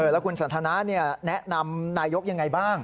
แล้วคุณสันทนาแนะนำนายกยังไงบ้าง